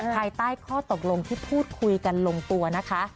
ภายใต้ข้อตกลงที่พูดคุยกันลงตัวนะคะ